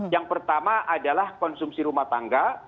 yang pertama adalah konsumsi rumah tangga